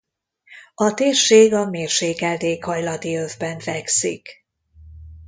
A térség a mérsékelt éghajlati övben fekszik.